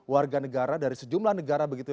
warga negara dari sejumlah negara begitu